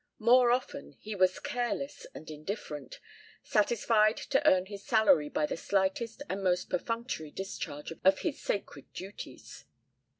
More often he was careless and indifferent, satisfied to earn his salary by the slightest and most perfunctory discharge of his sacred duties.